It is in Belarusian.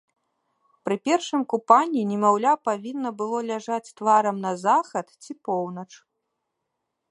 Пры першым купанні немаўля павінна было ляжаць тварам на захад ці поўнач.